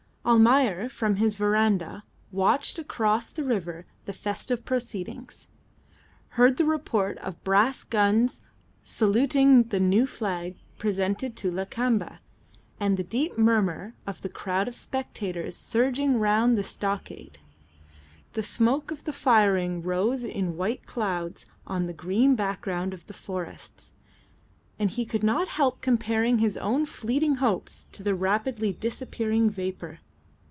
Almayer from his verandah watched across the river the festive proceedings, heard the report of brass guns saluting the new flag presented to Lakamba, and the deep murmur of the crowd of spectators surging round the stockade. The smoke of the firing rose in white clouds on the green background of the forests, and he could not help comparing his own fleeting hopes to the rapidly disappearing vapour.